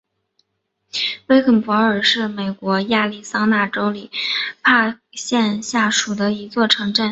威肯勃格是美国亚利桑那州马里科帕县下属的一座城镇。